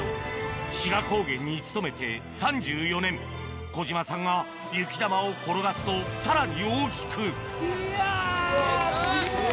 志賀高原に勤めて３４年小嶋さんが雪玉を転がすとさらに大きくいやすげぇ！